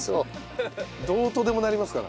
どうとでもなりますから。